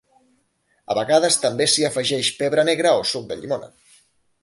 A vegades també s'hi afegeix pebre negre o suc de llimona.